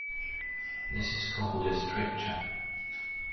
This is called a "stricture".